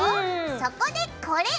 そこでこれ！